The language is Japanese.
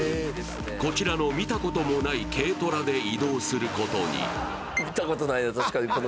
こちらの見たこともない軽トラで移動することに。